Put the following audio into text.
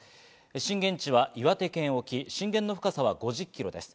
震源地は岩手県沖、震源の深さは５０キロです。